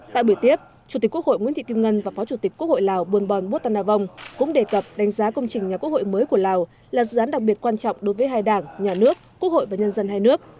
tại buổi tiếp chủ tịch quốc hội nguyễn thị kim ngân và phó chủ tịch quốc hội lào buôn bon bút tân a vong cũng đề cập đánh giá công trình nhà quốc hội mới của lào là dự án đặc biệt quan trọng đối với hai đảng nhà nước quốc hội và nhân dân hai nước